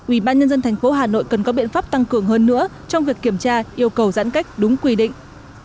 ubnd tp hà nội cần có biện pháp tăng cường hơn nữa trong việc kiểm tra yêu cầu giãn cách đúng quy định